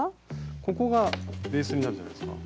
ここがベースになるじゃないですか。